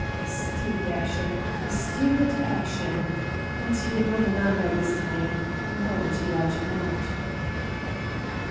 A stupid action! a stupid action! but you know the man by this time an oddity out and out."